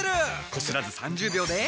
こすらず３０秒で。